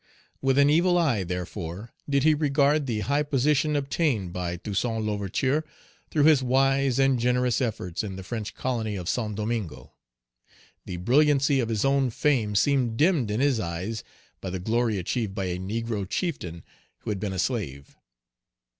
With an evil eye, therefore, did he regard the high position obtained by Toussaint L'Ouverture through his wise and generous efforts in the French colony of Saint Domingo. The brilliancy of his own fame seemed dimmed in his eyes by the glory achieved by a negro chieftain who had been a slave.